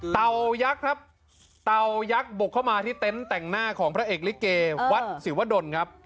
ตายักษ์ครับเต่ายักษ์บุกเข้ามาที่เต็นต์แต่งหน้าของพระเอกลิเกวัดศิวดลครับ